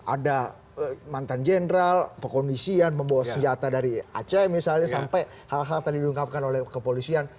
ada mantan jenderal pekondisian membawa senjata dari aceh misalnya sampai hal hal tadi diungkapkan oleh kepolisian